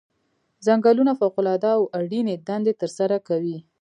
ځنګلونه فوق العاده او اړینې دندې ترسره کوي.